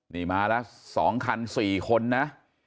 นี่มาแล้วสองคันสี่คนนะ